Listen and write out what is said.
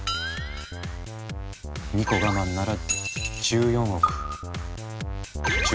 ２個我慢なら１４億１０